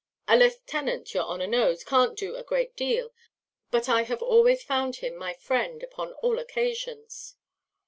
A lieutenant, your honour knows, can't do a great deal; but I have always found him my friend upon all occasions."